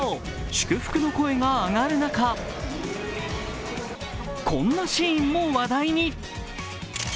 祝福の声が上がる中こんなシーンも話題に。